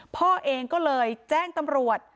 พ่อเองก็เลยแจ้งตำรวจ